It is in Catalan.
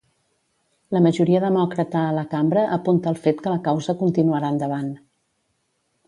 La majoria demòcrata a la cambra apunta al fet que la causa continuarà endavant.